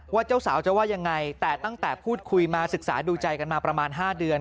เจ้าสาวจะว่ายังไงแต่ตั้งแต่พูดคุยมาศึกษาดูใจกันมาประมาณ๕เดือน